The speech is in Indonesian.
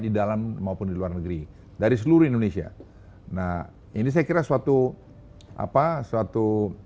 di dalam maupun di luar negeri dari seluruh indonesia nah ini saya kira suatu apa suatu